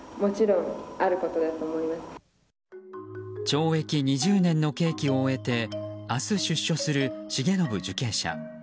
懲役２０年の刑期を終えて明日、出所する重信受刑者。